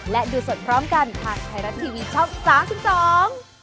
และดูสดพร้อมกันทางไทยรัตน์ทีวีช่อง๓๒